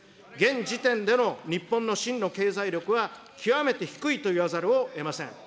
現時点での日本の真の経済力は極めて低いといわざるをえません。